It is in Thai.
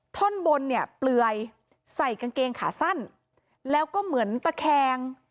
ท่อนบนเนี่ยเปลือยใส่กางเกงขาสั้นแล้วก็เหมือนตะแคง